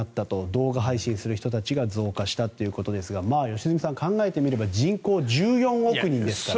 動画配信する人たちが増加したということですが良純さん、考えてみれば人口１４億人ですから。